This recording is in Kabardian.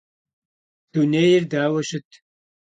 Dunêyr daue şıt?